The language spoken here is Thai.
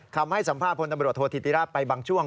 คำให้สัมภาพพศธิติราชไปบางช่วง